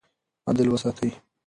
عدل وساتئ.